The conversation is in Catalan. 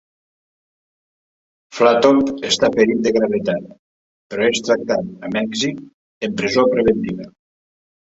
Flattop està ferit de gravetat, però és tractat amb èxit en presó preventiva.